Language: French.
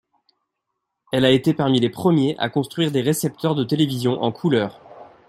Elle a été parmi les premiers à construire des récepteurs de télévision en couleur.